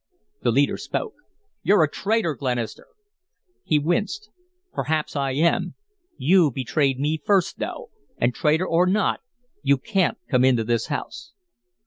The leader spoke. "You're a traitor, Glenister." He winced. "Perhaps I am. You betrayed me first, though; and, traitor or not, you can't come into this house."